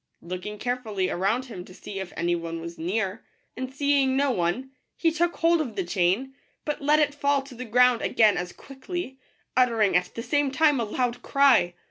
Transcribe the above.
Looking carefully around him to see if any one was near, and seeing no one, he took hold of the chain, but let it fall to the ground again as quickly, uttering at the same time a loud cry.